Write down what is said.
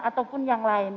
ataupun yang lain